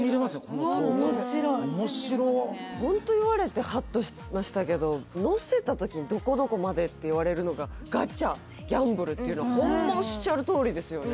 面白い面白っホント言われてハッとしましたけど乗せた時にどこどこまでって言われるのがガチャギャンブルっていうのはホンマおっしゃるとおりですよね